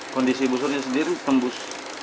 kondisi busurnya sendiri tembus